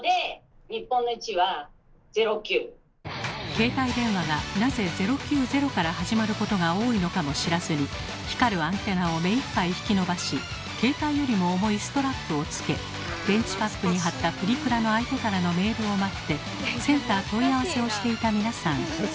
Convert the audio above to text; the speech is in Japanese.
携帯電話がなぜ「０９０」から始まることが多いのかも知らずに光るアンテナを目いっぱい引き伸ばし携帯よりも重いストラップをつけ電池パックに貼ったプリクラの相手からのメールを待ってセンター問い合わせをしていた皆さん。